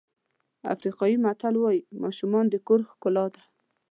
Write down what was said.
افریقایي متل وایي ماشومان د کور ښکلا ده.